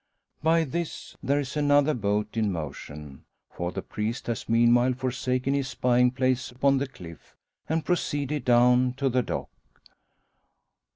By this there is another boat in motion; for the priest has meanwhile forsaken his spying place upon the cliff, and proceeded down to the dock.